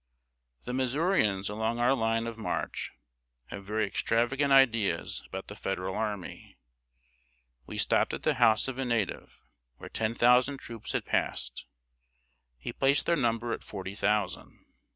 ] The Missourians along our line of march have very extravagant ideas about the Federal army. We stopped at the house of a native, where ten thousand troops had passed. He placed their number at forty thousand!